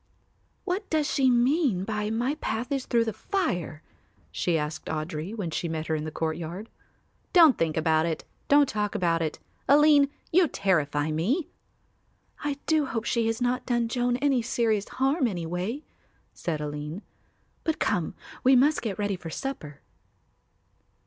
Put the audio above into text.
"What does she mean by my path is through the fire?" she asked Audry, when she met her in the courtyard. "Don't think about it, don't talk about it. Aline, you terrify me." "I do hope she has not done Joan any serious harm anyway," said Aline. "But come, we must get ready for supper."